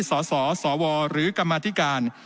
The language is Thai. สอสอสอวอหรือกรรมาธิการ